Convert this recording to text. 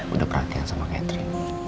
udah perhatian sama catherine